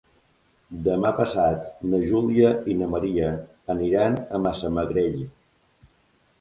Demà passat na Júlia i na Maria aniran a Massamagrell.